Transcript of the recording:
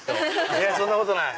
いやそんなことない。